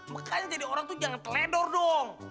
makanya jadi orang tuh jangan teledor dong